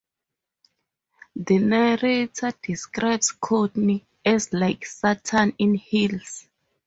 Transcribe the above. The narrator describes Courtney as "like Satan in heels".